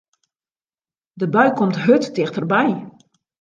De bui komt hurd tichterby.